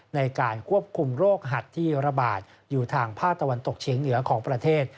ในการควบคุมโรคหัดที่ระบาดอยู่ทางภาคตะวันตกเฉียงเหนือของประเทศ